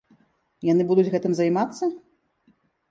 Яны будуць гэтым займацца?!